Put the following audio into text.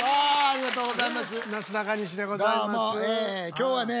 今日はね